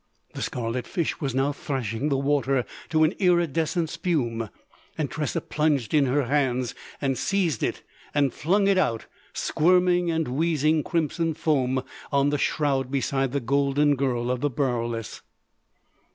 The scarlet fish was now thrashing the water to an iridescent spume; and Tressa plunged in her hands and seized it and flung it out—squirming and wheezing crimson foam—on the shroud beside the golden girl of the Baroulass.